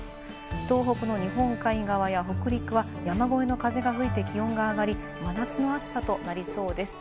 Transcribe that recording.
東北の日本海側や北陸は山越えの風が吹いて気温が上がり、真夏の暑さとなりそうです。